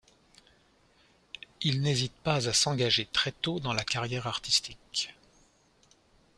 Il n'hésite pas à s'engager très tôt dans la carrière artistique.